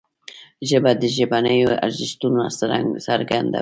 ژبه د ژبنیو ارزښتونو څرګندونه ده